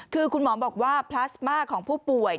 คือคุณหมอบอกว่าพลาสมาของผู้ป่วย